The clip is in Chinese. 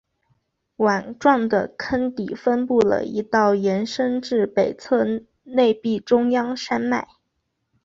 碗状的坑底分布了一道延伸至北侧内壁中央山脉。